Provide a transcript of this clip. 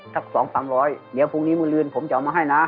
สัก๒๓๐๐เดี๋ยวพรุ่งนี้มือลืนผมจะเอามาให้นะ